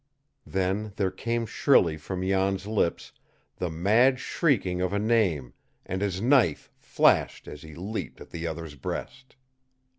Then there came shrilly from Jan's lips the mad shrieking of a name, and his knife flashed as he leaped at the other's breast.